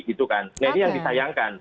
gitu kan nah ini yang disayangkan